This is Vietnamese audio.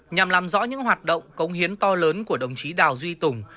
nhằm làm rõ những hoạt động công hiến to lớn của đồng chí đào duy tùng